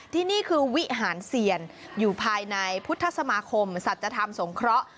ที่นี่คือวิหารเซียนอยู่ภายในพุทธสมาคมสัจธรรมสงเคราะห์